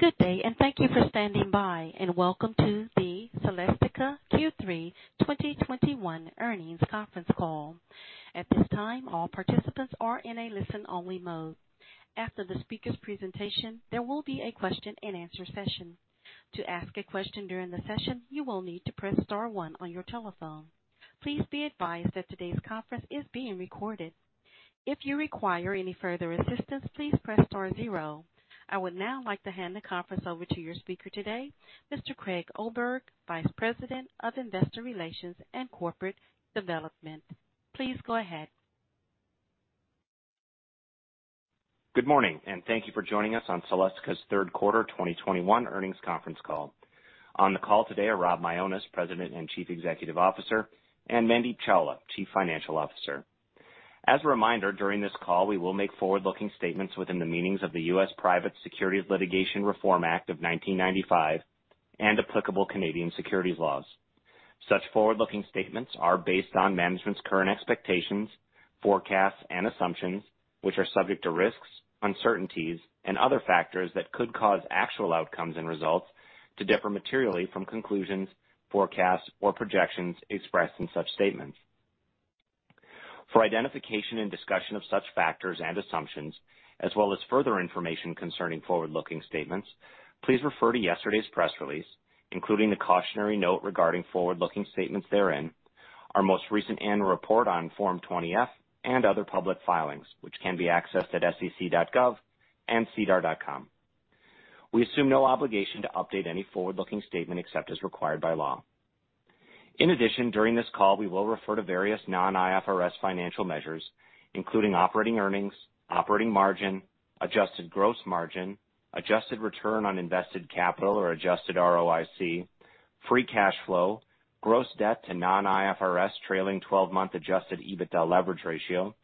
Good day, and thank you for standing by, and welcome to the Celestica Q3 2021 earnings conference call. At this time, all participants are in a listen-only mode. After the speaker's presentation, there will be a question-and-answer session. To ask a question during the session, you will need to press star one on your telephone. Please be advised that today's conference is being recorded. If you require any further assistance, please press star zero. I would now like to hand the conference over to your speaker today, Mr. Craig Oberg, Vice President of Investor Relations and Corporate Development. Please go ahead. Good morning, and thank you for joining us on Celestica's third quarter 2021 earnings conference call. On the call today are Rob Mionis, President and Chief Executive Officer, and Mandeep Chawla, Chief Financial Officer. As a reminder, during this call, we will make forward-looking statements within the meanings of the U.S. Private Securities Litigation Reform Act of 1995 and applicable Canadian securities laws. Such forward-looking statements are based on management's current expectations, forecasts, and assumptions, which are subject to risks, uncertainties, and other factors that could cause actual outcomes and results to differ materially from conclusions, forecasts, or projections expressed in such statements. For identification and discussion of such factors and assumptions, as well as further information concerning forward-looking statements, please refer to yesterday's press release, including the cautionary note regarding forward-looking statements therein, our most recent annual report on Form 20-F, and other public filings, which can be accessed at sec.gov and sedar.com. We assume no obligation to update any forward-looking statement except as required by law. In addition, during this call, we will refer to various non-IFRS financial measures, including operating earnings, operating margin, adjusted gross margin, adjusted return on invested capital or adjusted ROIC, free cash flow, gross debt to non-IFRS trailing twelve-month adjusted EBITDA leverage ratio,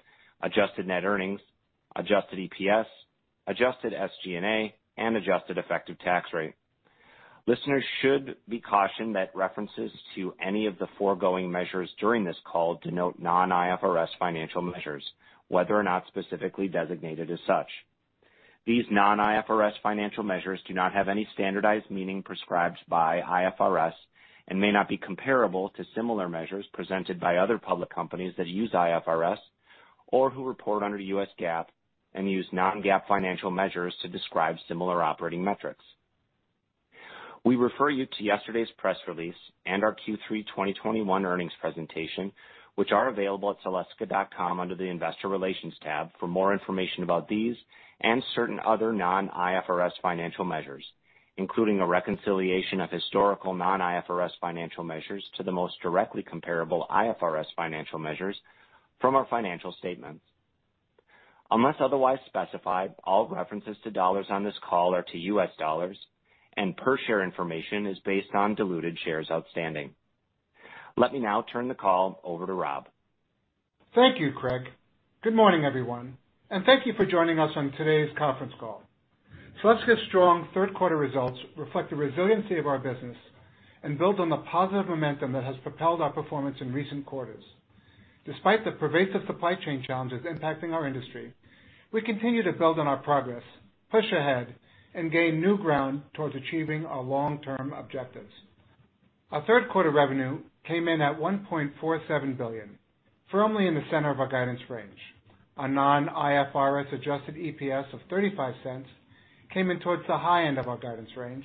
adjusted net earnings, adjusted EPS, adjusted SG&A, and adjusted effective tax rate. Listeners should be cautioned that references to any of the foregoing measures during this call denote non-IFRS financial measures, whether or not specifically designated as such. These non-IFRS financial measures do not have any standardized meaning prescribed by IFRS and may not be comparable to similar measures presented by other public companies that use IFRS or who report under the U.S. GAAP and use non-GAAP financial measures to describe similar operating metrics. We refer you to yesterday's press release and our Q3 2021 earnings presentation, which are available at celestica.com under the Investor Relations tab for more information about these and certain other non-IFRS financial measures, including a reconciliation of historical non-IFRS financial measures to the most directly comparable IFRS financial measures from our financial statements. Unless otherwise specified, all references to dollars on this call are to U.S. dollars, and per share information is based on diluted shares outstanding. Let me now turn the call over to Rob. Thank you, Craig. Good morning, everyone, and thank you for joining us on today's conference call. Celestica's strong third quarter results reflect the resiliency of our business and build on the positive momentum that has propelled our performance in recent quarters. Despite the pervasive supply chain challenges impacting our industry, we continue to build on our progress, push ahead, and gain new ground towards achieving our long-term objectives. Our third quarter revenue came in at $1.47 billion, firmly in the center of our guidance range. Our non-IFRS adjusted EPS of $0.35 came in towards the high end of our guidance range,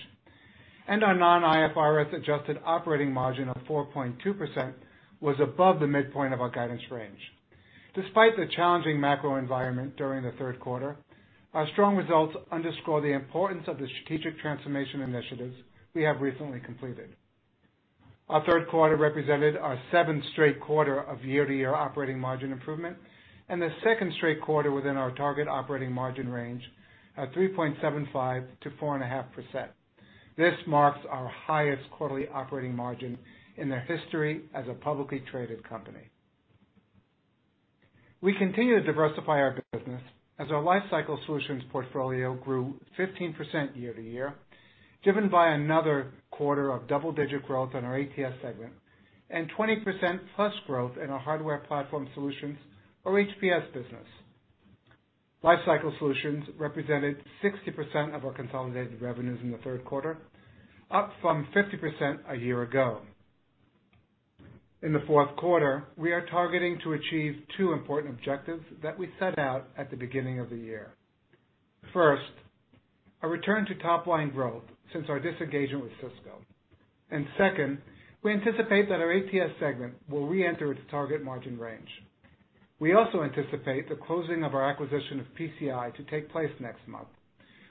and our non-IFRS adjusted operating margin of 4.2% was above the midpoint of our guidance range. Despite the challenging macro environment during the third quarter, our strong results underscore the importance of the strategic transformation initiatives we have recently completed. Our third quarter represented our seventh straight quarter of year-to-year operating margin improvement and the second straight quarter within our target operating margin range at 3.75%-4.5%. This marks our highest quarterly operating margin in the history as a publicly traded company. We continue to diversify our business as our lifecycle solutions portfolio grew 15% year-to-year, driven by another quarter of double-digit growth in our ATS segment and 20%+ growth in our hardware platform solutions or HPS business. Lifecycle solutions represented 60% of our consolidated revenues in the third quarter, up from 50% a year ago. In the fourth quarter, we are targeting to achieve two important objectives that we set out at the beginning of the year. First, a return to top-line growth since our disengagement with Cisco. Second, we anticipate that our ATS segment will reenter its target margin range. We also anticipate the closing of our acquisition of PCI to take place next month,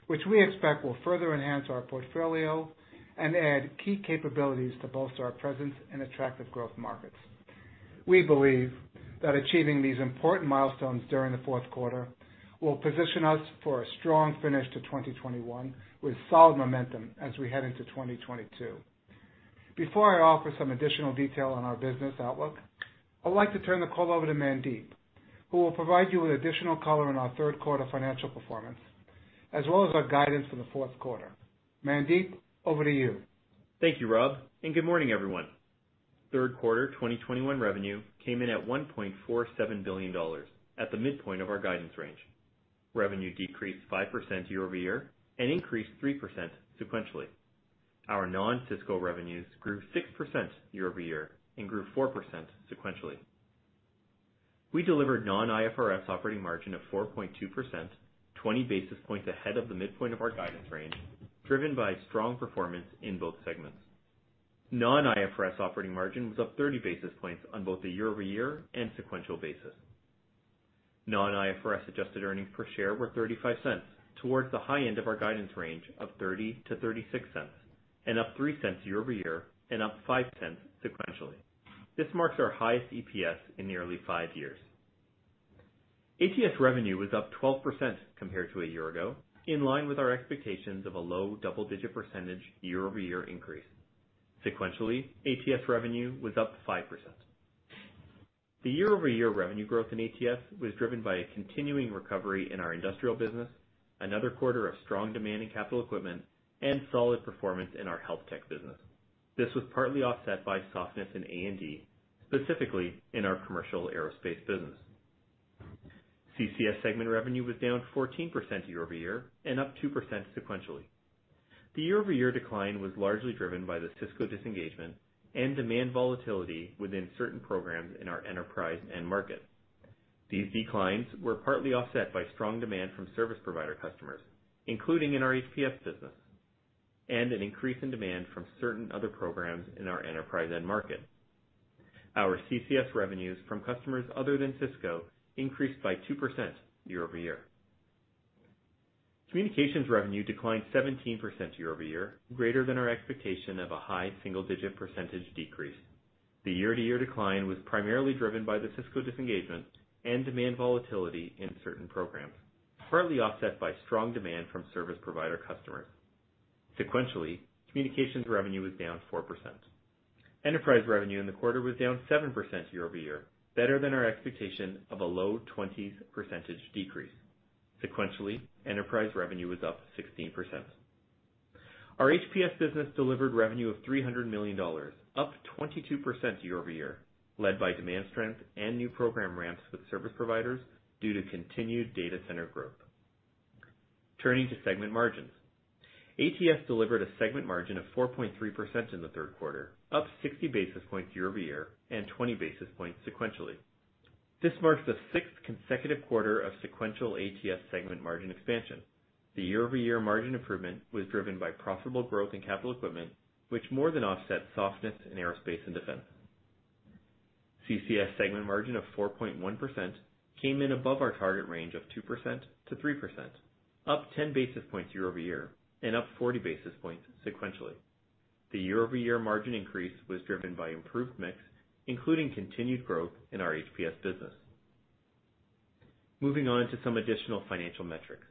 which we expect will further enhance our portfolio and add key capabilities to bolster our presence in attractive growth markets. We believe that achieving these important milestones during the fourth quarter will position us for a strong finish to 2021 with solid momentum as we head into 2022. Before I offer some additional detail on our business outlook, I'd like to turn the call over to Mandeep, who will provide you with additional color on our third quarter financial performance, as well as our guidance for the fourth quarter. Mandeep, over to you. Thank you, Rob, and good morning, everyone. Third quarter 2021 revenue came in at $1.47 billion at the midpoint of our guidance range. Revenue decreased 5% year-over-year and increased 3% sequentially. Our non-Cisco revenues grew 6% year-over-year and grew 4% sequentially. We delivered non-IFRS operating margin of 4.2%, 20 basis points ahead of the midpoint of our guidance range, driven by strong performance in both segments. Non-IFRS operating margin was up 30 basis points on both a year-over-year and sequential basis. Non-IFRS adjusted earnings per share were $0.35 towards the high end of our guidance range of $0.30-$0.36, and up $0.03 year-over-year and up $0.05 sequentially. This marks our highest EPS in nearly five years. ATS revenue was up 12% compared to a year ago, in line with our expectations of a low double-digit percentage year-over-year increase. Sequentially, ATS revenue was up 5%. The year-over-year revenue growth in ATS was driven by a continuing recovery in our industrial business, another quarter of strong demand in capital equipment, and solid performance in our health tech business. This was partly offset by softness in A&D, specifically in our commercial aerospace business. CCS segment revenue was down 14% year-over-year and up 2% sequentially. The year-over-year decline was largely driven by the Cisco disengagement and demand volatility within certain programs in our enterprise end market. These declines were partly offset by strong demand from service provider customers, including in our HPS business, and an increase in demand from certain other programs in our enterprise end market. Our CCS revenues from customers other than Cisco increased by 2% year-over-year. Communications revenue declined 17% year-over-year, greater than our expectation of a high single-digit % decrease. The year-over-year decline was primarily driven by the Cisco disengagement and demand volatility in certain programs, partly offset by strong demand from service provider customers. Sequentially, communications revenue was down 4%. Enterprise revenue in the quarter was down 7% year-over-year, better than our expectation of a low 20s % decrease. Sequentially, enterprise revenue was up 16%. Our HPS business delivered revenue of $300 million, up 22% year-over-year, led by demand strength and new program ramps with service providers due to continued data center growth. Turning to segment margins. ATS delivered a segment margin of 4.3% in the third quarter, up 60 basis points year-over-year and 20 basis points sequentially. This marks the sixth consecutive quarter of sequential ATS segment margin expansion. The year-over-year margin improvement was driven by profitable growth in capital equipment, which more than offset softness in aerospace and defense. CCS segment margin of 4.1% came in above our target range of 2%-3%, up 10 basis points year-over-year and up 40 basis points sequentially. The year-over-year margin increase was driven by improved mix, including continued growth in our HPS business. Moving on to some additional financial metrics.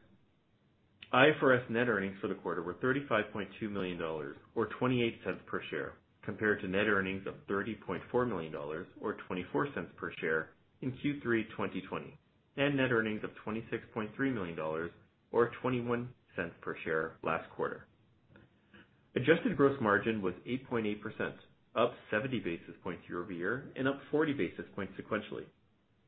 IFRS net earnings for the quarter were $35.2 million or $0.28 per share, compared to net earnings of $30.4 million or $0.24 per share in Q3 2020, and net earnings of $26.3 million or $0.21 per share last quarter. Adjusted gross margin was 8.8%, up 70 basis points year-over-year and up 40 basis points sequentially.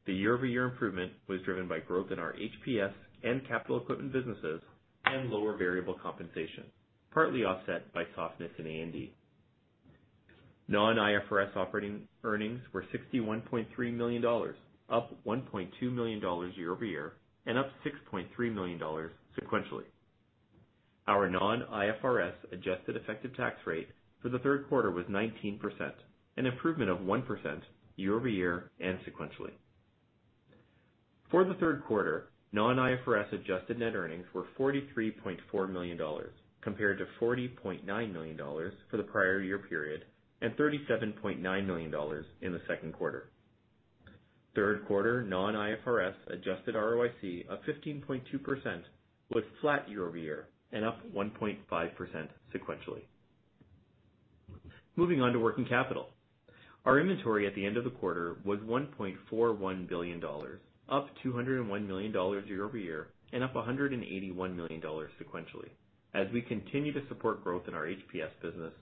The year-over-year improvement was driven by growth in our HPS and capital equipment businesses and lower variable compensation, partly offset by softness in A&D. Non-IFRS operating earnings were $61.3 million, up $1.2 million year-over-year and up $6.3 million sequentially. Our non-IFRS adjusted effective tax rate for the third quarter was 19%, an improvement of 1% year-over-year and sequentially. For the third quarter, non-IFRS adjusted net earnings were $43.4 million, compared to $40.9 million for the prior year period and $37.9 million in the second quarter. Third quarter non-IFRS adjusted ROIC of 15.2% was flat year-over-year and up 1.5% sequentially. Moving on to working capital. Our inventory at the end of the quarter was $1.41 billion, up $201 million year-over-year and up $181 million sequentially as we continue to support growth in our HPS business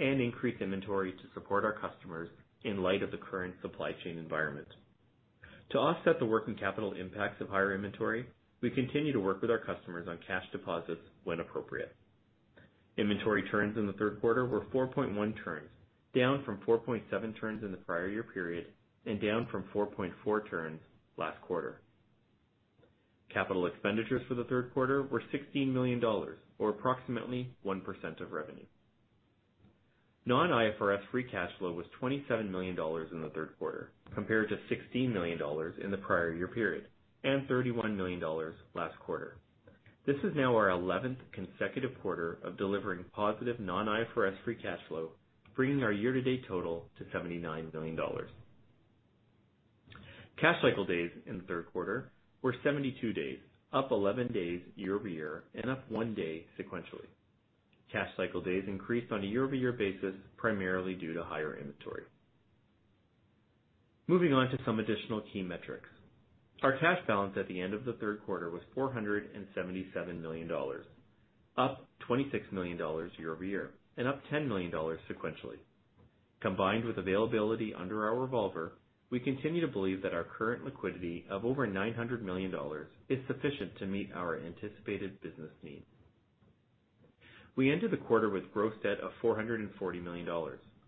and increase inventory to support our customers in light of the current supply chain environment. To offset the working capital impacts of higher inventory, we continue to work with our customers on cash deposits when appropriate. Inventory turns in the third quarter were 4.1 turns, down from 4.7 turns in the prior year period and down from 4.4 turns last quarter. Capital expenditures for the third quarter were $16 million or approximately 1% of revenue. Non-IFRS free cash flow was $27 million in the third quarter, compared to $16 million in the prior year period, and $31 million last quarter. This is now our 11th consecutive quarter of delivering positive non-IFRS free cash flow, bringing our year-to-date total to $79 million. Cash cycle days in the third quarter were 72 days, up 11 days year-over-year and up 1 day sequentially. Cash cycle days increased on a year-over-year basis, primarily due to higher inventory. Moving on to some additional key metrics. Our cash balance at the end of the third quarter was $477 million, up $26 million year-over-year and up $10 million sequentially. Combined with availability under our revolver, we continue to believe that our current liquidity of over $900 million is sufficient to meet our anticipated business needs. We ended the quarter with gross debt of $440 million,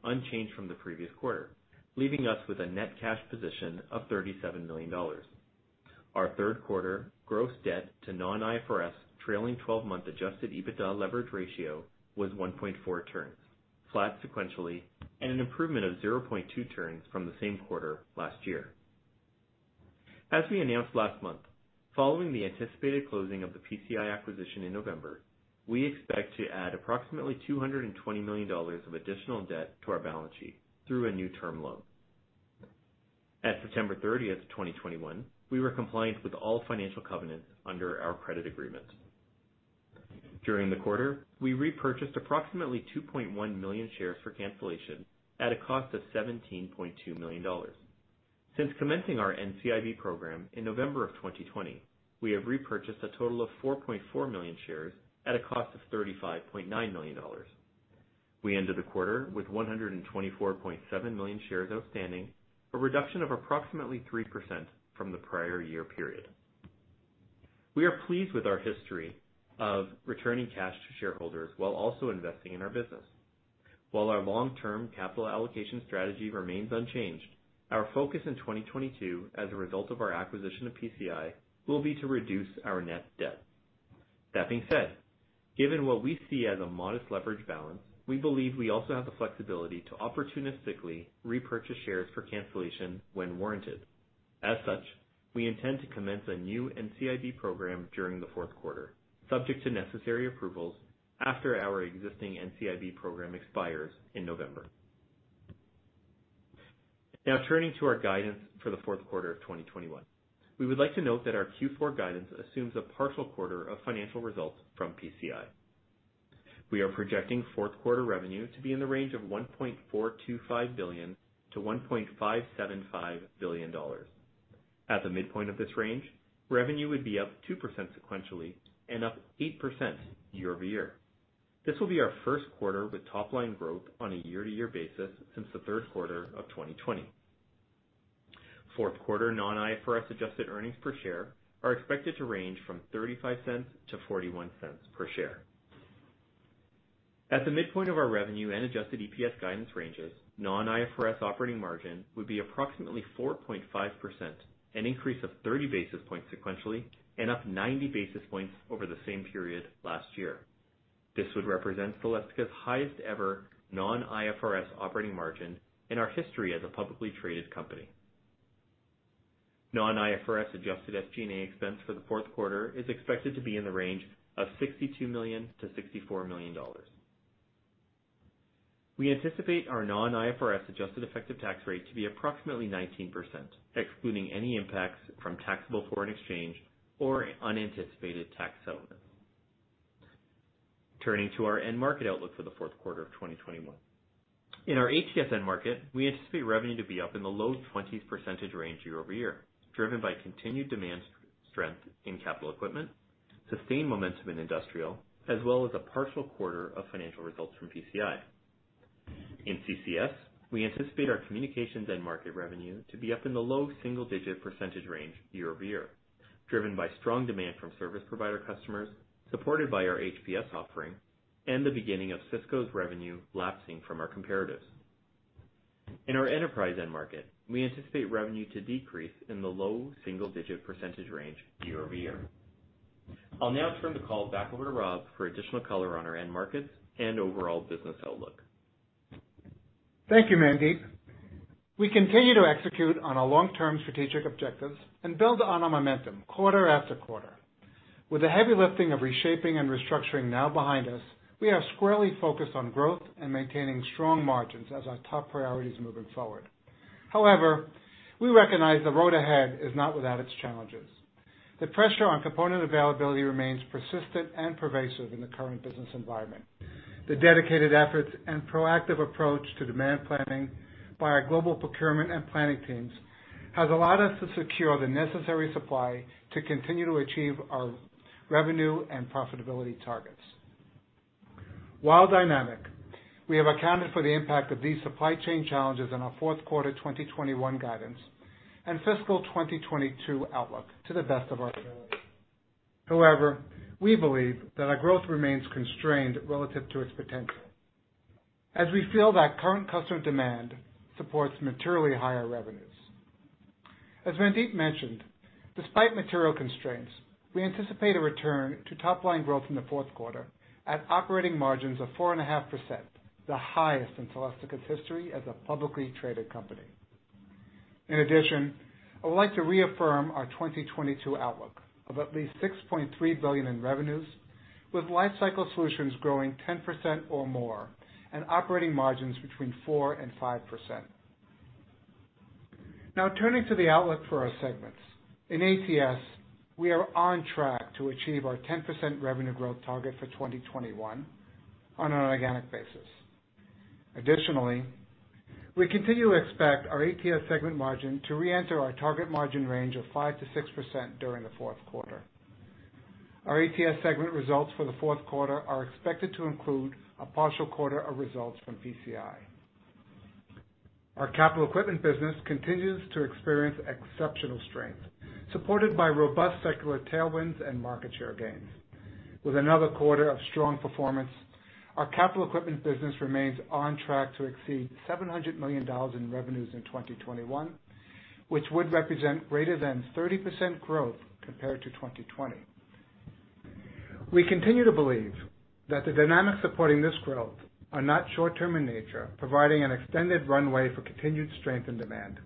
unchanged from the previous quarter, leaving us with a net cash position of $37 million. Our third quarter gross debt to non-IFRS trailing twelve-month adjusted EBITDA leverage ratio was 1.4 turns, flat sequentially, and an improvement of 0.2 turns from the same quarter last year. As we announced last month, following the anticipated closing of the PCI acquisition in November, we expect to add approximately $220 million of additional debt to our balance sheet through a new term loan. At September 30, 2021, we were compliant with all financial covenants under our credit agreement. During the quarter, we repurchased approximately 2.1 million shares for cancellation at a cost of $17.2 million. Since commencing our NCIB program in November 2020, we have repurchased a total of 4.4 million shares at a cost of $35.9 million. We ended the quarter with 124.7 million shares outstanding, a reduction of approximately 3% from the prior year period. We are pleased with our history of returning cash to shareholders while also investing in our business. While our long-term capital allocation strategy remains unchanged, our focus in 2022 as a result of our acquisition of PCI, will be to reduce our net debt. That being said, given what we see as a modest leverage balance, we believe we also have the flexibility to opportunistically repurchase shares for cancellation when warranted. As such, we intend to commence a new NCIB program during the fourth quarter, subject to necessary approvals after our existing NCIB program expires in November. Now turning to our guidance for the fourth quarter of 2021. We would like to note that our Q4 guidance assumes a partial quarter of financial results from PCI. We are projecting fourth quarter revenue to be in the range of $1.425 billion-$1.575 billion. At the midpoint of this range, revenue would be up 2% sequentially and up 8% year-over-year. This will be our first quarter with top line growth on a year-to-year basis since the third quarter of 2020. Fourth quarter non-IFRS adjusted earnings per share are expected to range from $0.35 to $0.41 per share. At the midpoint of our revenue and adjusted EPS guidance ranges, non-IFRS operating margin would be approximately 4.5%, an increase of 30 basis points sequentially, and up 90 basis points over the same period last year. This would represent Celestica's highest ever non-IFRS operating margin in our history as a publicly traded company. Non-IFRS adjusted SG&A expense for the fourth quarter is expected to be in the range of $62 million-$64 million. We anticipate our non-IFRS adjusted effective tax rate to be approximately 19%, excluding any impacts from taxable foreign exchange or unanticipated tax settlements. Turning to our end market outlook for the fourth quarter of 2021. In our ATS end market, we anticipate revenue to be up in the low 20s% range year-over-year, driven by continued demand strength in capital equipment, sustained momentum in industrial, as well as a partial quarter of financial results from PCI. In CCS, we anticipate our communications and enterprise revenue to be up in the low single-digit % range year-over-year, driven by strong demand from service provider customers, supported by our HPS offering and the beginning of Cisco's revenue lapsing from our comparatives. In our enterprise end market, we anticipate revenue to decrease in the low single-digit % range year-over-year. I'll now turn the call back over to Rob for additional color on our end markets and overall business outlook. Thank you, Mandeep. We continue to execute on our long-term strategic objectives and build on our momentum quarter after quarter. With the heavy lifting of reshaping and restructuring now behind us, we are squarely focused on growth and maintaining strong margins as our top priorities moving forward. However, we recognize the road ahead is not without its challenges. The pressure on component availability remains persistent and pervasive in the current business environment. The dedicated efforts and proactive approach to demand planning by our global procurement and planning teams has allowed us to secure the necessary supply to continue to achieve our revenue and profitability targets. While dynamic, we have accounted for the impact of these supply chain challenges in our fourth quarter 2021 guidance and fiscal 2022 outlook to the best of our ability. However, we believe that our growth remains constrained relative to its potential as we feel that current customer demand supports materially higher revenues. As Mandeep mentioned, despite material constraints, we anticipate a return to top line growth in the fourth quarter at operating margins of 4.5%, the highest in Celestica's history as a publicly traded company. In addition, I would like to reaffirm our 2022 outlook of at least $6.3 billion in revenues, with lifecycle solutions growing 10% or more and operating margins between 4%-5%. Now, turning to the outlook for our segments. In ATS, we are on track to achieve our 10% revenue growth target for 2021 on an organic basis. Additionally, we continue to expect our ATS segment margin to reenter our target margin range of 5%-6% during the fourth quarter. Our ATS segment results for the fourth quarter are expected to include a partial quarter of results from PCI. Our capital equipment business continues to experience exceptional strength, supported by robust secular tailwinds and market share gains. With another quarter of strong performance, our capital equipment business remains on track to exceed $700 million in revenues in 2021, which would represent greater than 30% growth compared to 2020. We continue to believe that the dynamics supporting this growth are not short-term in nature, providing an extended runway for continued strength and demand.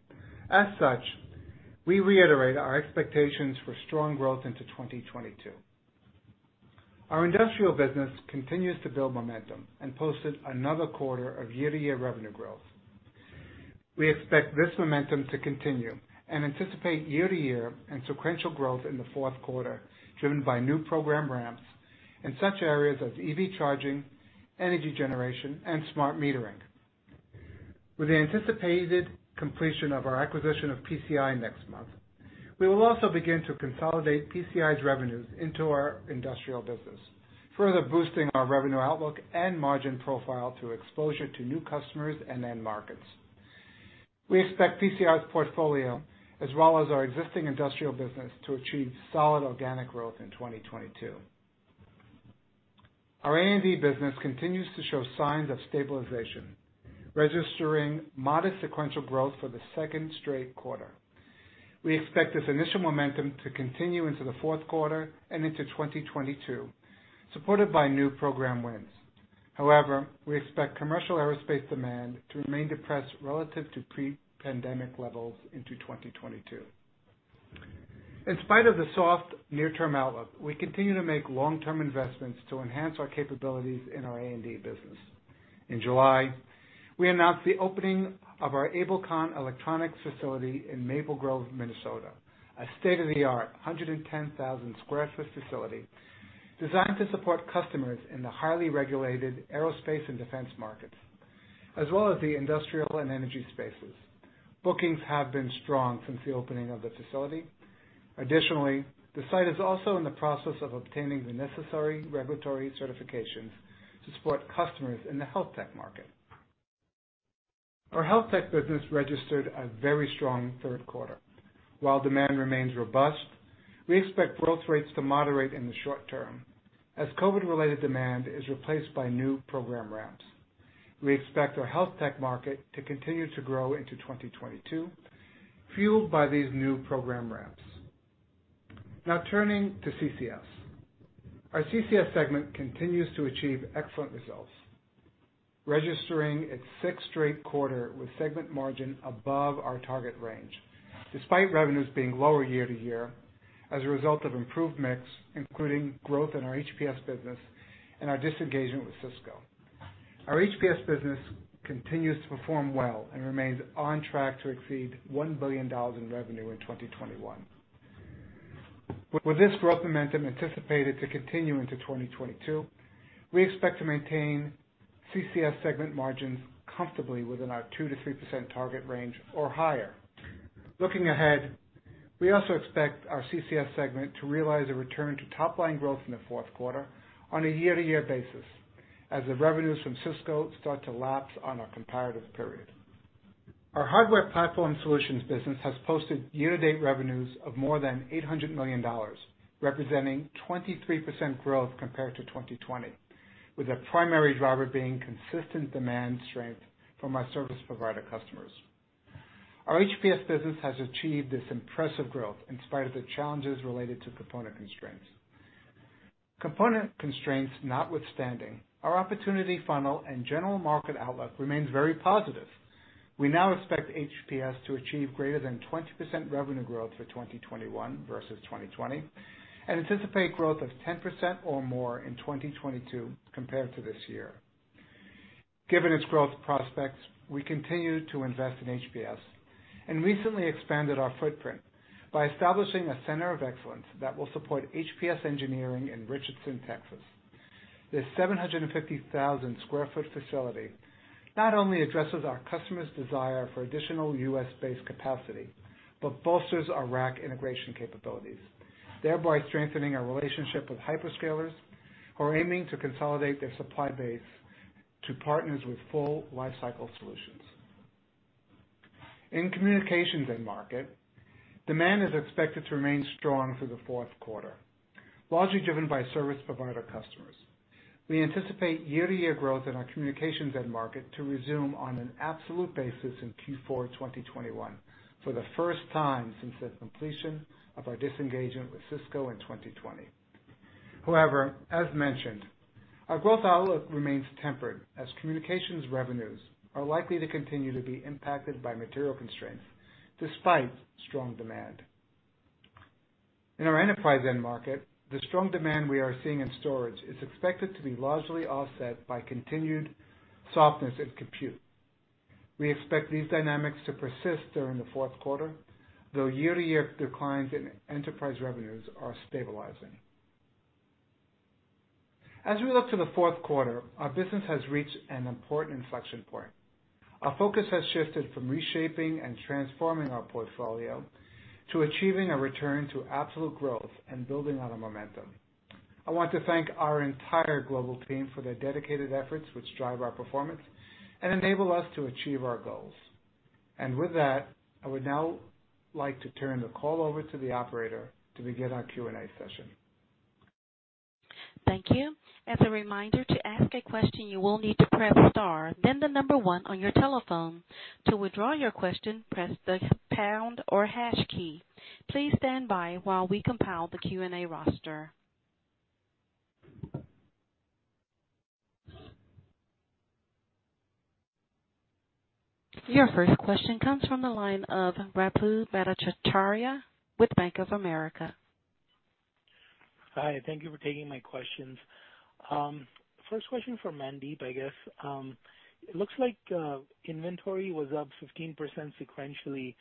As such, we reiterate our expectations for strong growth into 2022. Our industrial business continues to build momentum and posted another quarter of year-to-year revenue growth. We expect this momentum to continue and anticipate year-to-year and sequential growth in the fourth quarter, driven by new program ramps in such areas as EV charging, energy generation, and smart metering. With the anticipated completion of our acquisition of PCI next month, we will also begin to consolidate PCI's revenues into our industrial business, further boosting our revenue outlook and margin profile through exposure to new customers and end markets. We expect PCI's portfolio as well as our existing industrial business to achieve solid organic growth in 2022. Our A&D business continues to show signs of stabilization, registering modest sequential growth for the second straight quarter. We expect this initial momentum to continue into the fourth quarter and into 2022, supported by new program wins. However, we expect commercial aerospace demand to remain depressed relative to pre-pandemic levels into 2022. In spite of the soft near-term outlook, we continue to make long-term investments to enhance our capabilities in our A&D business. In July, we announced the opening of our AbelConn Electronics facility in Maple Grove, Minnesota, a state-of-the-art 110,000 sq ft facility designed to support customers in the highly regulated aerospace and defense markets, as well as the industrial and energy spaces. Bookings have been strong since the opening of the facility. Additionally, the site is also in the process of obtaining the necessary regulatory certifications to support customers in the health tech market. Our health tech business registered a very strong third quarter. While demand remains robust, we expect growth rates to moderate in the short term as COVID-related demand is replaced by new program ramps. We expect our health tech market to continue to grow into 2022, fueled by these new program ramps. Now turning to CCS. Our CCS segment continues to achieve excellent results, registering its sixth straight quarter with segment margin above our target range despite revenues being lower year-over-year as a result of improved mix, including growth in our HPS business and our disengagement with Cisco. Our HPS business continues to perform well and remains on track to exceed $1 billion in revenue in 2021. With this growth momentum anticipated to continue into 2022, we expect to maintain CCS segment margins comfortably within our 2%-3% target range or higher. Looking ahead, we also expect our CCS segment to realize a return to top line growth in the fourth quarter on a year-to-year basis as the revenues from Cisco start to lapse on our comparative period. Our Hardware Platform Solutions business has posted year-to-date revenues of more than $800 million, representing 23% growth compared to 2020, with the primary driver being consistent demand strength from our service provider customers. Our HPS business has achieved this impressive growth in spite of the challenges related to component constraints. Component constraints notwithstanding, our opportunity funnel and general market outlook remains very positive. We now expect HPS to achieve greater than 20% revenue growth for 2021 versus 2020, and anticipate growth of 10% or more in 2022 compared to this year. Given its growth prospects, we continue to invest in HPS and recently expanded our footprint by establishing a center of excellence that will support HPS engineering in Richardson, Texas. This 750,000 sq ft facility not only addresses our customers' desire for additional U.S.-based capacity, but bolsters our rack integration capabilities, thereby strengthening our relationship with hyperscalers who are aiming to consolidate their supply base to partners with full life cycle solutions. In communications end market, demand is expected to remain strong for the fourth quarter, largely driven by service provider customers. We anticipate year-to-year growth in our communications end market to resume on an absolute basis in Q4 2021 for the first time since the completion of our disengagement with Cisco in 2020. However, as mentioned, our growth outlook remains tempered as communications revenues are likely to continue to be impacted by material constraints despite strong demand. In our enterprise end market, the strong demand we are seeing in storage is expected to be largely offset by continued softness in compute. We expect these dynamics to persist during the fourth quarter, though year-to-year declines in enterprise revenues are stabilizing. As we look to the fourth quarter, our business has reached an important inflection point. Our focus has shifted from reshaping and transforming our portfolio to achieving a return to absolute growth and building on our momentum. I want to thank our entire global team for their dedicated efforts, which drive our performance and enable us to achieve our goals. With that, I would now like to turn the call over to the operator to begin our Q&A session. Thank you. As a reminder, to ask a question, you will need to press star then the number one on your telephone. To withdraw your question, press the pound or hash key. Please stand by while we compile the Q&A roster. Your first question comes from the line of Ruplu Bhattacharya with Bank of America. Hi, thank you for taking my questions. First question for Mandeep, I guess. It looks like inventory was up 15% sequentially,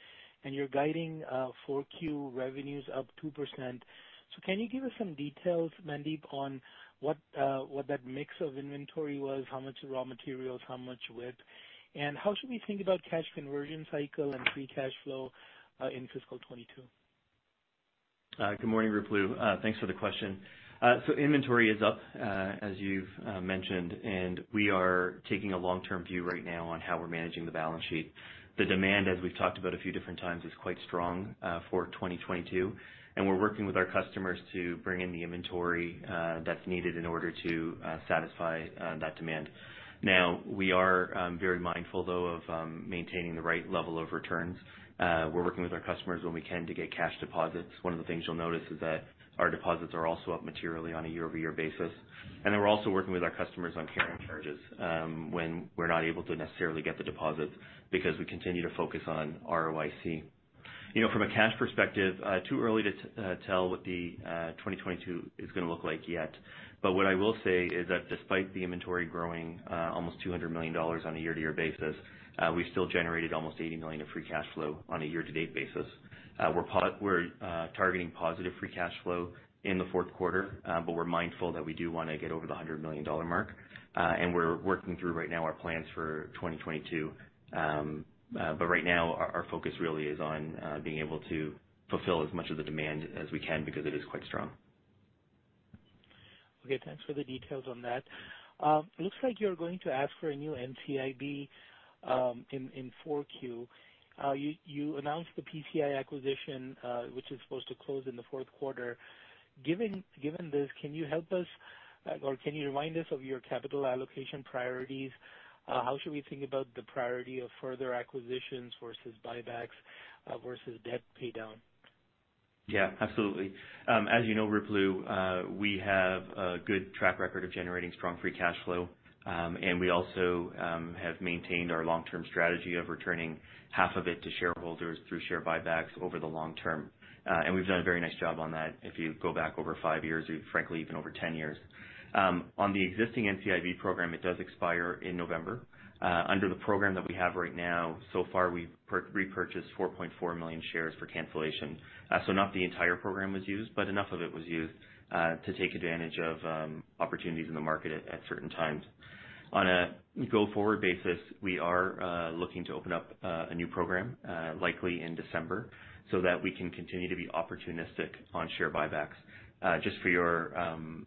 and you're guiding 4Q revenues up 2%. Can you give us some details, Mandeep, on what that mix of inventory was? How much raw materials, how much WIP? And how should we think about cash conversion cycle and free cash flow in fiscal 2022? Good morning, Ruplu. Thanks for the question. So inventory is up, as you've mentioned, and we are taking a long-term view right now on how we're managing the balance sheet. The demand, as we've talked about a few different times, is quite strong for 2022, and we're working with our customers to bring in the inventory that's needed in order to satisfy that demand. Now, we are very mindful, though, of maintaining the right level of returns. We're working with our customers when we can to get cash deposits. One of the things you'll notice is that our deposits are also up materially on a year-over-year basis. We're also working with our customers on carrying charges, when we're not able to necessarily get the deposits because we continue to focus on ROIC. You know, from a cash perspective, too early to tell what the 2022 is gonna look like yet. What I will say is that despite the inventory growing almost $200 million on a year-over-year basis, we still generated almost $80 million of free cash flow on a year-to-date basis. We're targeting positive free cash flow in the fourth quarter, but we're mindful that we do wanna get over the $100 million mark. We're working through right now our plans for 2022. Right now our focus really is on being able to fulfill as much of the demand as we can because it is quite strong. Okay, thanks for the details on that. It looks like you're going to ask for a new NCIB in Q4. You announced the PCI acquisition, which is supposed to close in the fourth quarter. Given this, can you help us or can you remind us of your capital allocation priorities? How should we think about the priority of further acquisitions versus buybacks versus debt paydown? Yeah, absolutely. As you know, Ruplu, we have a good track record of generating strong free cash flow. We also have maintained our long-term strategy of returning half of it to shareholders through share buybacks over the long term. We've done a very nice job on that if you go back over five years or frankly, even over 10 years. On the existing NCIB program, it does expire in November. Under the program that we have right now, so far we've repurchased 4.4 million shares for cancellation. So not the entire program was used, but enough of it was used to take advantage of opportunities in the market at certain times. On a go-forward basis, we are looking to open up a new program likely in December, so that we can continue to be opportunistic on share buybacks. Just for your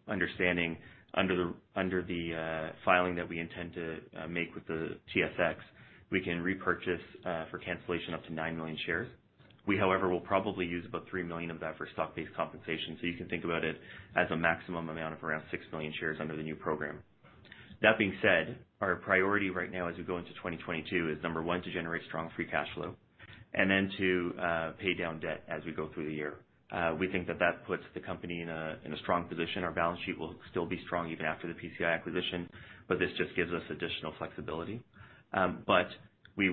understanding, under the filing that we intend to make with the TSX, we can repurchase for cancellation up to 9 million shares. We, however, will probably use about 3 million of that for stock-based compensation. You can think about it as a maximum amount of around 6 million shares under the new program. That being said, our priority right now as we go into 2022 is, number one, to generate strong free cash flow, and then to pay down debt as we go through the year. We think that puts the company in a strong position. Our balance sheet will still be strong even after the PCI acquisition, but this just gives us additional flexibility. We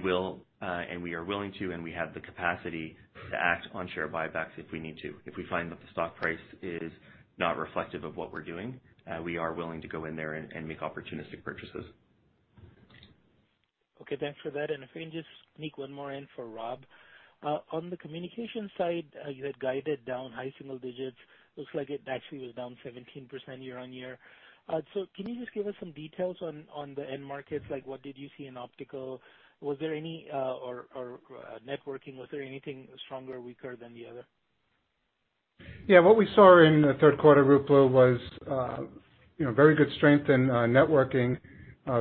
are willing to, and we have the capacity to act on share buybacks if we need to. If we find that the stock price is not reflective of what we're doing, we are willing to go in there and make opportunistic purchases. Okay, thanks for that. If I can just sneak one more in for Rob. On the communications side, you had guided down high single digits. Looks like it actually was down 17% year-over-year. Can you just give us some details on the end markets? Like, what did you see in optical? Or networking, was there anything stronger or weaker than the other? Yeah, what we saw in the third quarter, Ruplu, was, you know, very good strength in, networking,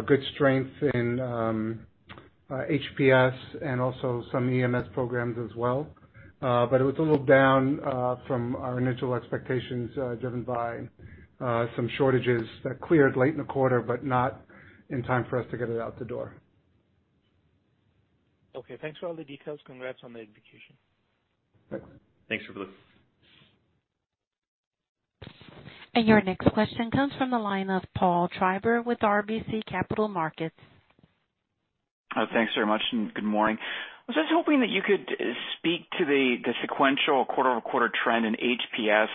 good strength in, HPS and also some EMS programs as well. It was a little down from our initial expectations, driven by some shortages that cleared late in the quarter, but not in time for us to get it out the door. Okay, thanks for all the details. Congrats on the acquisition. Thanks. Thanks, Ruplu. Your next question comes from the line of Paul Treiber with RBC Capital Markets. Thanks very much, and good morning. I was just hoping that you could speak to the sequential quarter-over-quarter trend in HPS.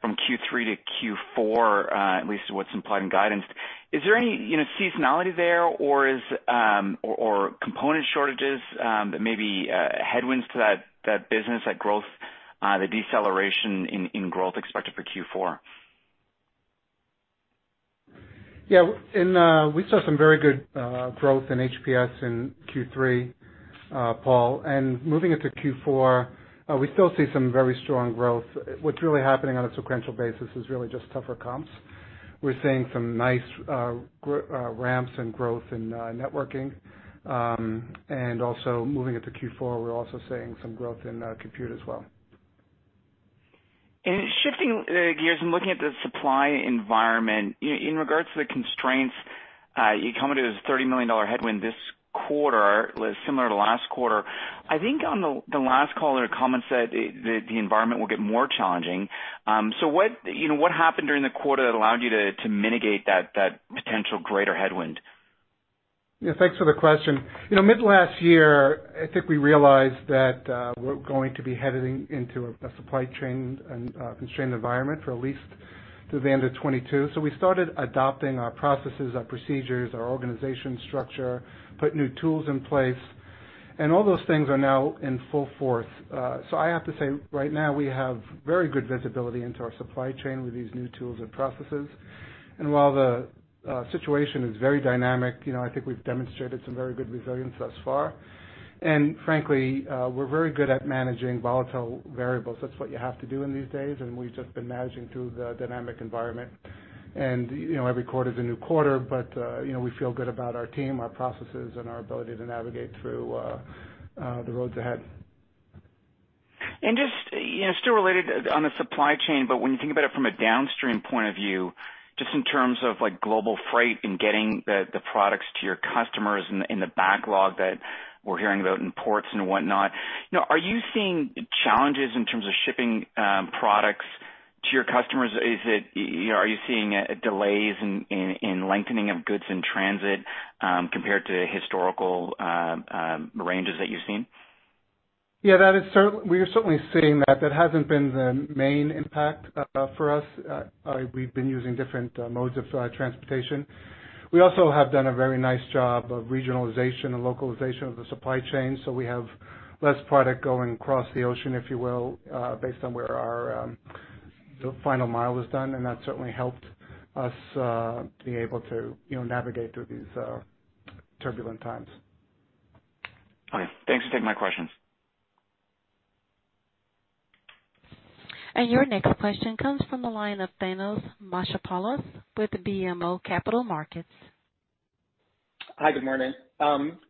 From Q3 to Q4, at least what's implied in guidance, is there any, you know, seasonality there or is or component shortages that may be headwinds to that business, that growth, the deceleration in growth expected for Q4? Yeah. We saw some very good growth in HPS in Q3, Paul. Moving into Q4, we still see some very strong growth. What's really happening on a sequential basis is really just tougher comps. We're seeing some nice ramps in growth in networking, and also moving into Q4, we're also seeing some growth in compute as well. Shifting gears and looking at the supply environment, in regards to the constraints, you commented there's a $30 million headwind this quarter, similar to last quarter. I think on the last call, their comment said the environment will get more challenging. What, you know, what happened during the quarter that allowed you to mitigate that potential greater headwind? Yeah, thanks for the question. You know, mid-last year, I think we realized that, we're going to be heading into a supply chain and constrained environment for at least through the end of 2022. We started adopting our processes, our procedures, our organization structure, put new tools in place, and all those things are now in full force. I have to say, right now we have very good visibility into our supply chain with these new tools and processes. While the situation is very dynamic, you know, I think we've demonstrated some very good resilience thus far. Frankly, we're very good at managing volatile variables. That's what you have to do in these days, and we've just been managing through the dynamic environment. You know, every quarter is a new quarter, but you know, we feel good about our team, our processes, and our ability to navigate through the roads ahead. Just, you know, still related on the supply chain, but when you think about it from a downstream point of view, just in terms of like global freight and getting the products to your customers and the backlog that we're hearing about in ports and whatnot, you know, are you seeing challenges in terms of shipping products to your customers? You know, are you seeing delays in lengthening of goods in transit, compared to historical ranges that you've seen? Yeah, we are certainly seeing that. That hasn't been the main impact for us. We've been using different modes of transportation. We also have done a very nice job of regionalization and localization of the supply chain, so we have less product going across the ocean, if you will, based on where our final mile is done, and that certainly helped us be able to, you know, navigate through these turbulent times. Okay. Thanks for taking my questions. Your next question comes from the line of Thanos Moschopoulos with BMO Capital Markets. Hi, good morning.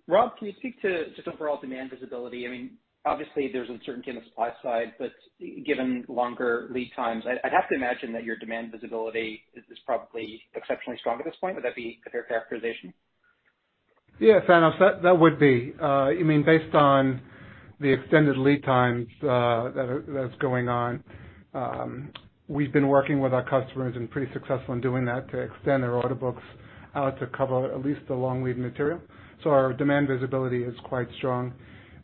Rob, can you speak to just overall demand visibility? I mean, obviously there's uncertainty on the supply side, but given longer lead times, I'd have to imagine that your demand visibility is probably exceptionally strong at this point. Would that be a fair characterization? Yeah, Thanos, that would be. You mean based on the extended lead times that are going on, we've been working with our customers and pretty successful in doing that to extend their order books out to cover at least the long-lead material. So our demand visibility is quite strong.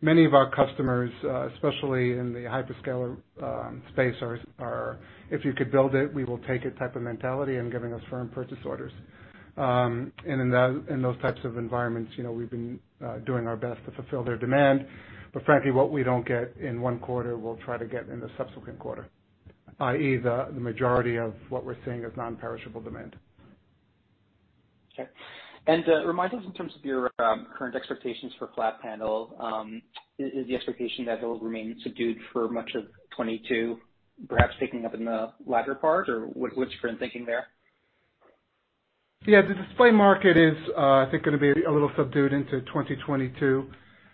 Many of our customers, especially in the hyperscaler space are if you could build it, we will take it type of mentality and giving us firm purchase orders. In those types of environments, you know, we've been doing our best to fulfill their demand. But frankly, what we don't get in one quarter, we'll try to get in the subsequent quarter, i.e., the majority of what we're seeing is non-perishable demand. Okay. Remind us in terms of your current expectations for flat panel, is the expectation that it will remain subdued for much of 2022, perhaps picking up in the latter part? Or what's current thinking there? Yeah. The display market is, I think gonna be a little subdued into 2022.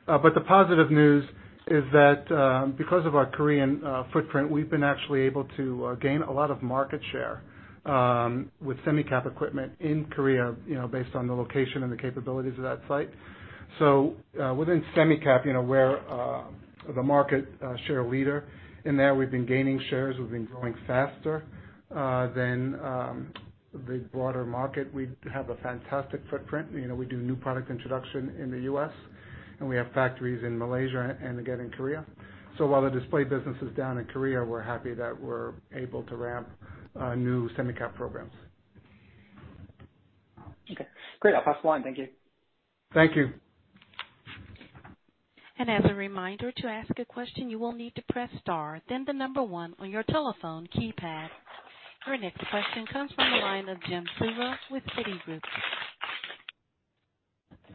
The positive news is that, because of our Korean footprint, we've been actually able to gain a lot of market share, with Semi-Cap equipment in Korea, you know, based on the location and the capabilities of that site. Within Semi-Cap, you know, we're the market share leader. In there, we've been gaining shares. We've been growing faster than the broader market. We have a fantastic footprint. You know, we do new product introduction in the U.S., and we have factories in Malaysia and again in Korea. While the display business is down in Korea, we're happy that we're able to ramp new Semi-Cap programs. Okay. Great. I'll pass the line. Thank you. Thank you. As a reminder, to ask a question, you will need to press star then 1 on your telephone keypad. Your next question comes from the line of Jim Suva with Citigroup.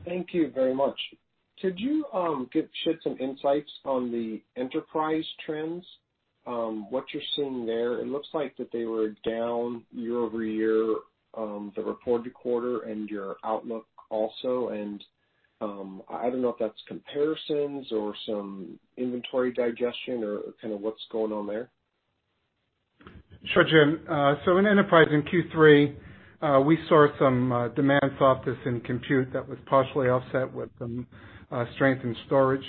Thank you very much. Could you shed some insights on the enterprise trends, what you're seeing there? It looks like that they were down year-over-year, the reported quarter and your outlook also. I don't know if that's comparisons or some inventory digestion or kinda what's going on there. Sure, Jim. In enterprise in Q3, we saw some demand softness in compute that was partially offset with some strength in storage.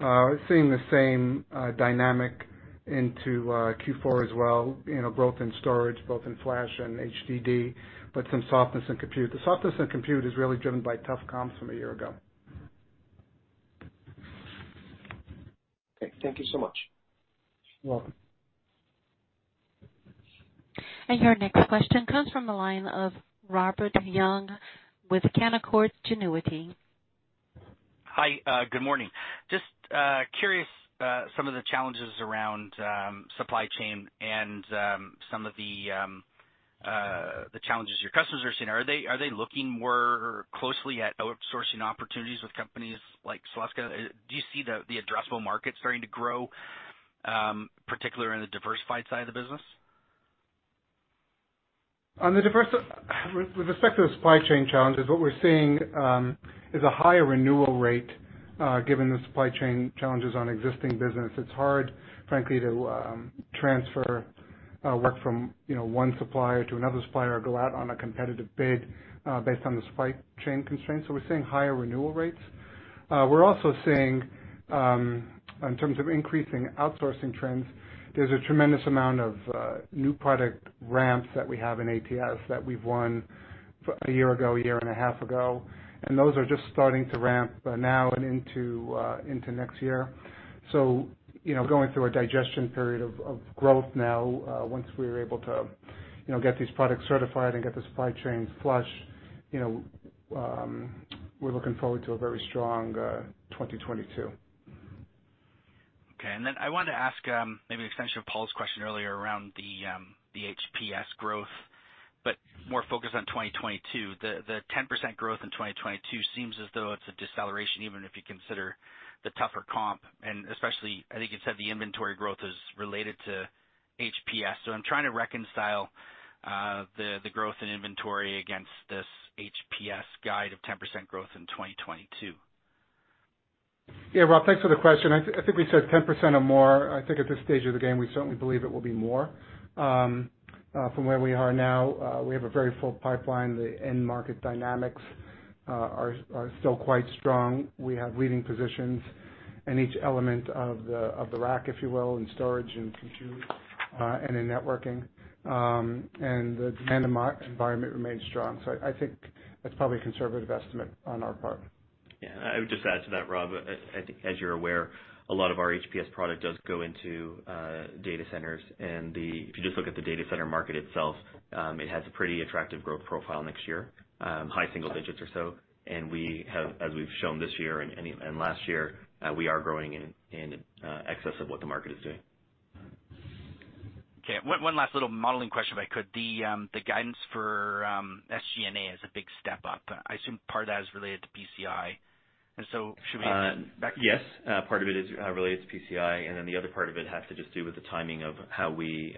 We're seeing the same dynamic into Q4 as well, you know, growth in storage, both in flash and HDD, but some softness in compute. The softness in compute is really driven by tough comps from a year ago. Okay. Thank you so much. You're welcome. Your next question comes from the line of Robert Young with Canaccord Genuity. Hi, good morning. Just curious some of the challenges around supply chain and some of the challenges your customers are seeing. Are they looking more closely at outsourcing opportunities with companies like Celestica? Do you see the addressable market starting to grow, particularly in the diversified side of the business? With respect to the supply chain challenges, what we're seeing is a higher renewal rate, given the supply chain challenges on existing business. It's hard, frankly, to transfer work from, you know, one supplier to another supplier or go out on a competitive bid, based on the supply chain constraints. We're seeing higher renewal rates. We're also seeing, in terms of increasing outsourcing trends, there's a tremendous amount of new product ramps that we have in ATS that we've won a year ago, a year and a half ago, and those are just starting to ramp now and into next year. You know, going through a digestion period of growth now, once we're able to, you know, get these products certified and get the supply chain flush, you know, we're looking forward to a very strong 2022. Okay. Then I wanted to ask, maybe an extension of Paul's question earlier around the HPS growth, but more focused on 2022. The 10% growth in 2022 seems as though it's a deceleration, even if you consider the tougher comp, and especially, I think you said the inventory growth is related to HPS. I'm trying to reconcile the growth in inventory against this HPS guide of 10% growth in 2022. Yeah. Rob, thanks for the question. I think we said 10% or more. I think at this stage of the game, we certainly believe it will be more. From where we are now, we have a very full pipeline. The end market dynamics are still quite strong. We have leading positions in each element of the rack, if you will, in storage and compute, and in networking. The demand environment remains strong. I think that's probably a conservative estimate on our part. Yeah. I would just add to that, Rob. I think as you're aware, a lot of our HPS product does go into data centers. If you just look at the data center market itself, it has a pretty attractive growth profile next year, high single digits or so. We have, as we've shown this year and last year, we are growing in excess of what the market is doing. Okay. One last little modeling question, if I could. The guidance for SG&A is a big step up. I assume part of that is related to PCI. Should we Yes, part of it is related to PCI, and then the other part of it has to just do with the timing of how we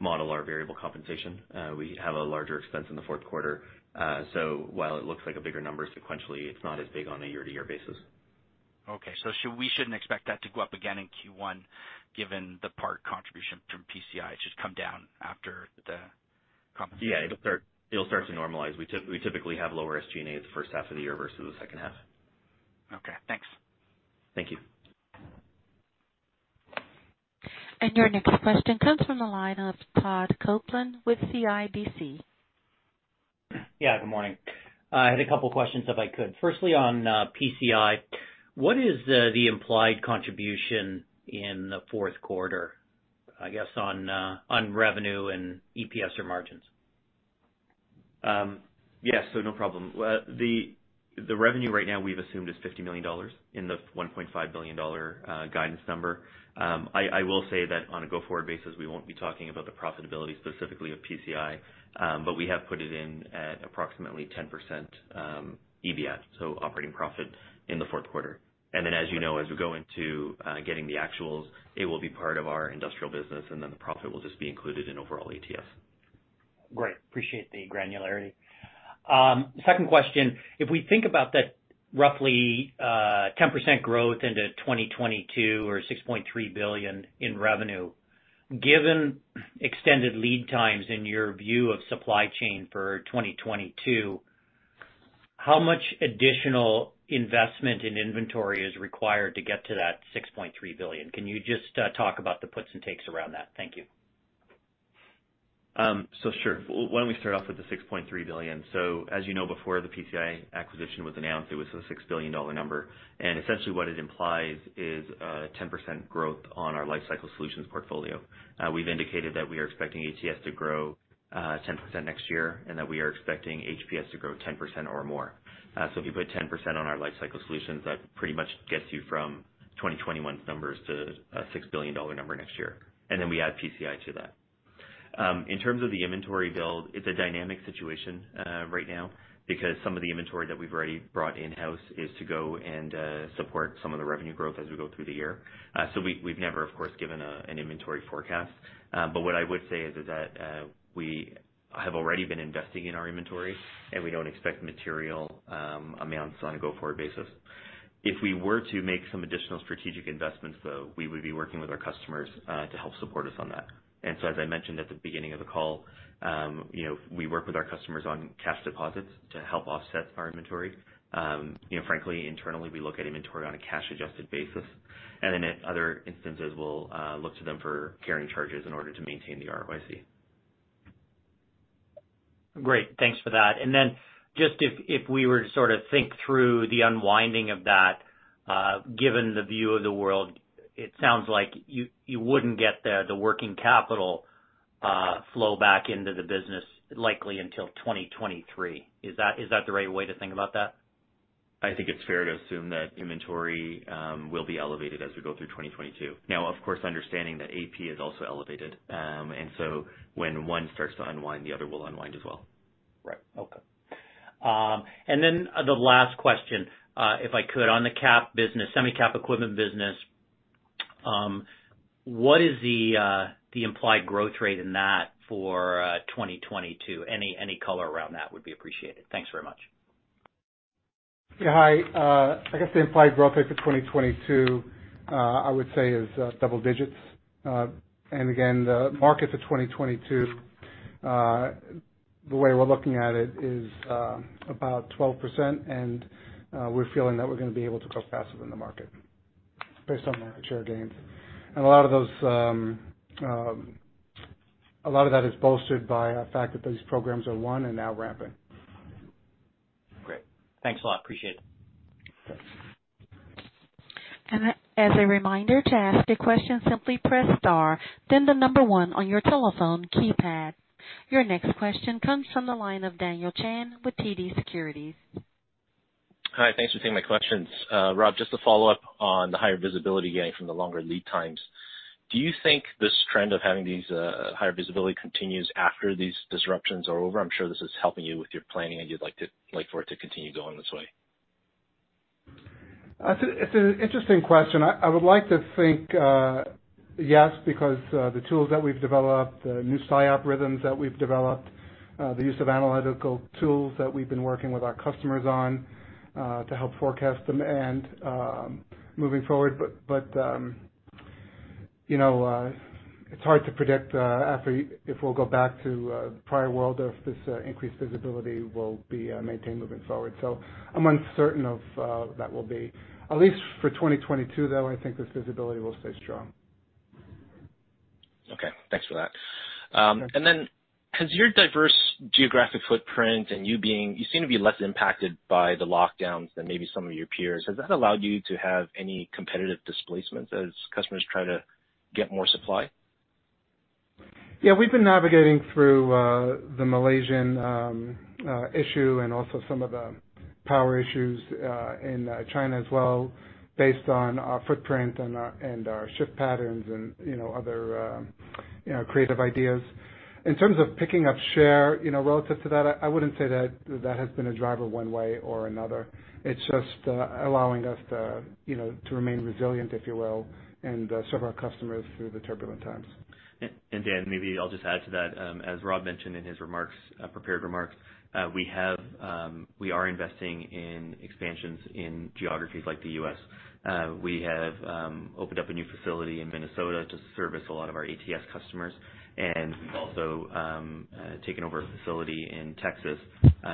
model our variable compensation. We have a larger expense in the fourth quarter. While it looks like a bigger number sequentially, it's not as big on a year-to-year basis. Okay. We shouldn't expect that to go up again in Q1, given the part contribution from PCI. It should come down after the compensation. Yeah. It'll start to normalize. We typically have lower SG&A the first half of the year versus the second half. Okay, thanks. Thank you. Your next question comes from the line of Todd Coupland with CIBC. Yeah, good morning. I had a couple questions, if I could. Firstly, on PCI, what is the implied contribution in the fourth quarter, I guess, on revenue and EPS or margins? Yes. No problem. The revenue right now we've assumed is $50 million in the $1.5 billion guidance number. I will say that on a go-forward basis, we won't be talking about the profitability specifically of PCI, but we have put it in at approximately 10%, EBIT, so operating profit in the fourth quarter. As you know, as we go into getting the actuals, it will be part of our industrial business, and then the profit will just be included in overall ATS. Great. Appreciate the granularity. Second question. If we think about that roughly, 10% growth into 2022 or $6.3 billion in revenue, given extended lead times in your view of supply chain for 2022, how much additional investment in inventory is required to get to that $6.3 billion? Can you just talk about the puts and takes around that? Thank you. Sure. Why don't we start off with the $6.3 billion. As you know, before the PCI acquisition was announced, it was a $6 billion number. Essentially what it implies is 10% growth on our lifecycle solutions portfolio. We've indicated that we are expecting ATS to grow 10% next year and that we are expecting HPS to grow 10% or more. If you put 10% on our lifecycle solutions, that pretty much gets you from 2021's numbers to a $6 billion number next year. Then we add PCI to that. In terms of the inventory build, it's a dynamic situation right now because some of the inventory that we've already brought in-house is to go and support some of the revenue growth as we go through the year. We've never, of course, given an inventory forecast. What I would say is that we have already been investing in our inventory, and we don't expect material amounts on a go-forward basis. If we were to make some additional strategic investments, though, we would be working with our customers to help support us on that. As I mentioned at the beginning of the call, you know, we work with our customers on cash deposits to help offset our inventory. You know, frankly, internally, we look at inventory on a cash-adjusted basis, and then at other instances, we'll look to them for carrying charges in order to maintain the ROIC. Great. Thanks for that. Just if we were to sort of think through the unwinding of that, given the view of the world, it sounds like you wouldn't get the working capital flow back into the business likely until 2023. Is that the right way to think about that? I think it's fair to assume that inventory will be elevated as we go through 2022. Now, of course, understanding that AP is also elevated. When one starts to unwind, the other will unwind as well. Right. Okay. The last question, if I could, on the cap business, Semi-Cap equipment business, what is the implied growth rate in that for 2022? Any color around that would be appreciated. Thanks very much. Yeah, hi. I guess the implied growth rate for 2022, I would say is, double digits. Again, the market for 2022, the way we're looking at it is, about 12%, and, we're feeling that we're gonna be able to grow faster than the market based on the share gains. A lot of that is bolstered by the fact that those programs are won and now ramping. Great. Thanks a lot. Appreciate it. Thanks. As a reminder to ask a question, simply press star then one on your telephone keypad. Your next question comes from the line of Daniel Chan with TD Securities. Hi. Thanks for taking my questions. Rob, just to follow up on the higher visibility you're getting from the longer lead times. Do you think this trend of having these higher visibility continues after these disruptions are over? I'm sure this is helping you with your planning, and you'd like for it to continue going this way. It's an interesting question. I would like to think yes, because the tools that we've developed, the new PSI algorithms that we've developed, the use of analytical tools that we've been working with our customers on to help forecast demand moving forward. You know, it's hard to predict if we'll go back to a prior world or if this increased visibility will be maintained moving forward. I'm uncertain of that will be. At least for 2022, though, I think this visibility will stay strong. Okay. Thanks for that. Has your diverse geographic footprint and you seem to be less impacted by the lockdowns than maybe some of your peers. Has that allowed you to have any competitive displacements as customers try to get more supply? Yeah. We've been navigating through the Malaysian issue and also some of the power issues in China as well based on our footprint and our ship patterns and, you know, other, you know, creative ideas. In terms of picking up share, you know, relative to that, I wouldn't say that has been a driver one way or another. It's just allowing us to, you know, to remain resilient, if you will, and serve our customers through the turbulent times. Dan, maybe I'll just add to that. As Rob mentioned in his prepared remarks, we are investing in expansions in geographies like the U.S. We have opened up a new facility in Minnesota to service a lot of our ATS customers, and we've also taken over a facility in Texas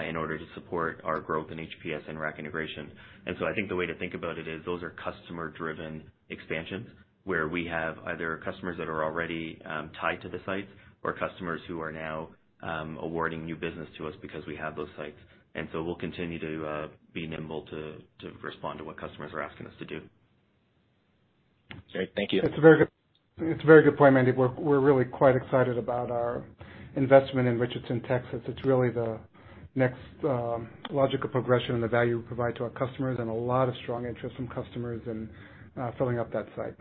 in order to support our growth in HPS and rack integration. I think the way to think about it is those are customer-driven expansions, where we have either customers that are already tied to the sites or customers who are now awarding new business to us because we have those sites. We'll continue to be nimble to respond to what customers are asking us to do. Great. Thank you. It's a very good point, Mandy. We're really quite excited about our investment in Richardson, Texas. It's really the next logical progression and the value we provide to our customers and a lot of strong interest from customers in filling up that site.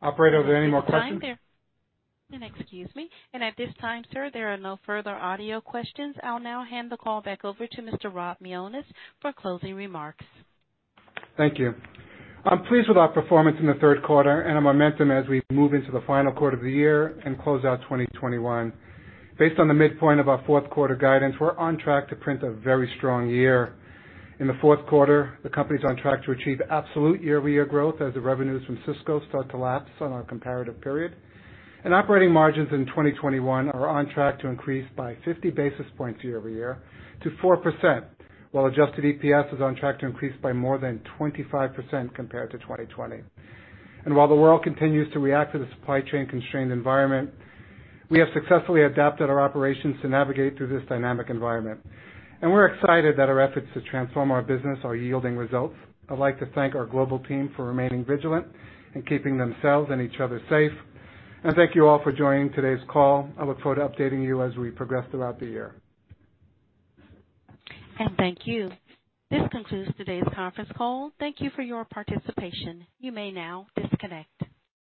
Operator, are there any more questions? Excuse me. At this time, sir, there are no further audio questions. I'll now hand the call back over to Mr. Rob Mionis for closing remarks. Thank you. I'm pleased with our performance in the third quarter and our momentum as we move into the final quarter of the year and close out 2021. Based on the midpoint of our fourth quarter guidance, we're on track to print a very strong year. In the fourth quarter, the company's on track to achieve absolute year-over-year growth as the revenues from Cisco start to lapse on our comparative period. Operating margins in 2021 are on track to increase by 50 basis points year-over-year to 4%, while adjusted EPS is on track to increase by more than 25% compared to 2020. While the world continues to react to the supply chain constrained environment, we have successfully adapted our operations to navigate through this dynamic environment. We're excited that our efforts to transform our business are yielding results. I'd like to thank our global team for remaining vigilant and keeping themselves and each other safe. Thank you all for joining today's call. I look forward to updating you as we progress throughout the year. Thank you. This concludes today's conference call. Thank you for your participation. You may now disconnect.